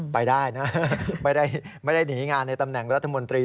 ไปได้นะไม่ได้หนีงานในตำแหน่งรัฐมนตรี